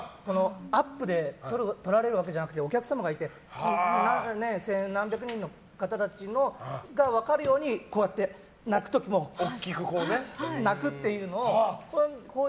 アップで撮られるわけじゃなくてお客様がいて千何百人の方たちが分かるようにこうやって大きく泣くっていうのを。